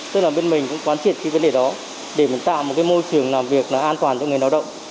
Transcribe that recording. tức là bên mình cũng quán triệt cái vấn đề đó để mình tạo một cái môi trường làm việc là an toàn cho người lao động